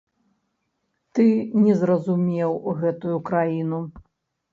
Ты не зразумеў гэтую краіну.